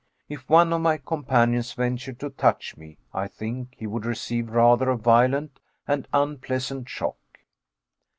If one of my companions ventured to touch me, I think he would receive rather a violent and unpleasant shock.